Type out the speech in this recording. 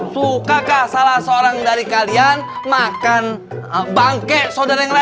sukakah salah seorang dari kalian makan bangke sodara yang lain